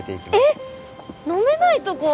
えっ飲めないとこ？